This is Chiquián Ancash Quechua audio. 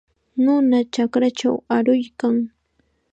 Nuna chakrachaw aruykan.